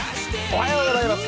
おはようございます。